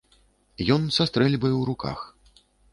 Ён са стрэльбай у руках.